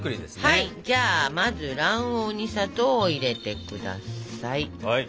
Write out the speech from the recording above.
はいじゃあまず卵黄に砂糖を入れて下さい。